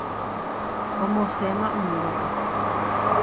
Omosẽma umívape.